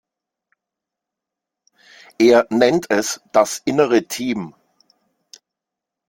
Er nennt es das Innere Team.